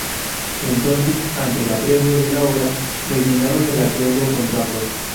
Entonces ante el apremio de la hora, rellenaron el atuendo con trapos.